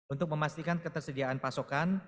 untuk memastikan ketersediaan pasokan